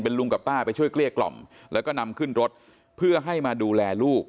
ลุงกับป้าไปช่วยเกลี้ยกล่อมแล้วก็นำขึ้นรถเพื่อให้มาดูแลลูก